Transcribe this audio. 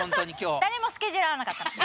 誰もスケジュール合わなかったの。